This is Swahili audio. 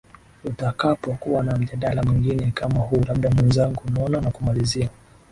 tutakapo kuwa na mjadala mwingine kama huu labda mwenzangu unaona nakumalizia